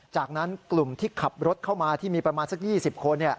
จากนั้นกลุ่มที่ขับรถเข้ามาที่มีประมาณสัก๒๐คน